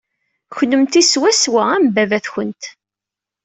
Kenemti swaswa am baba-twent.